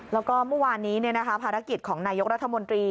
แล้วก็เมื่อวานนี้ภารกิจของนายกรัฐมนตรี